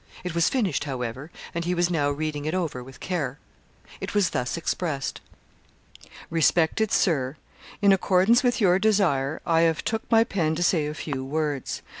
It was finished however, and he was now reading it over with care. It was thus expressed: 'RESPECTET SIR, In accordens with your disier, i av took my pen to say a fue words.